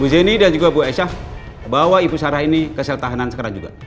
bu jenny dan juga bu esyah bawa ibu sarah ini ke sel tahanan sekarang juga